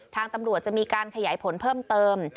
ทางตำรวจจะมีการขยายผลเพิ่มเติม